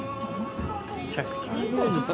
めちゃくちゃ。